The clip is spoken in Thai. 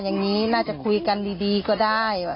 อย่างนี้น่าจะคุยกันดีก็ได้